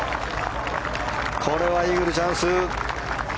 これはイーグルチャンス。